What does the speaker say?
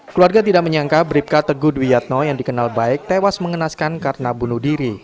keluarga tidak menyangka bribka teguh dwi yatno yang dikenal baik tewas mengenaskan karena bunuh diri